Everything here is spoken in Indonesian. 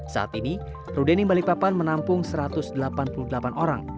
saat ini rudenim balikpapan menampung satu ratus delapan puluh delapan orang